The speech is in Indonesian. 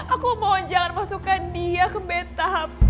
aku mohon jangan masukkan dia ke betam